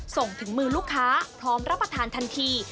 ส่งถึงมือลูกค้าพร้อมรับประทานทันที